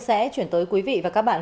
sẽ chuyển tới quý vị và các bạn